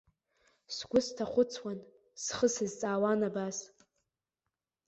Сгәы сҭахәыцуан, схы сазҵаауан абас.